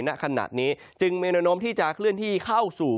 ณขณะนี้จึงมีแนวโน้มที่จะเคลื่อนที่เข้าสู่